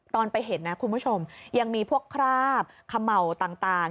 ตอนไปเห็นนะคุณผู้ชมยังมีพวกคราบเขม่าต่าง